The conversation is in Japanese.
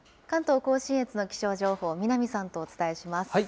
関東甲信越の気象情報、南さんとお伝えします。